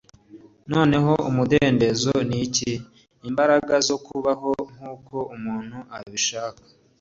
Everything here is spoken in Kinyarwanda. noneho umudendezo ni iki? imbaraga zo kubaho nk'uko umuntu abishaka